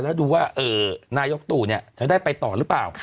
แล้วดูว่านายกตู่จะได้ไปต่อหรือเปล่า